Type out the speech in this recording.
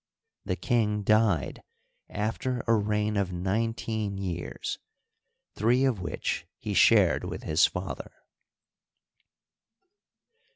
The kmg died after a reign of nineteen years, three of which he shared with his father.